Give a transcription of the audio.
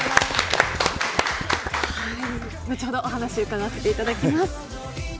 後ほどお話を伺わせていただきます。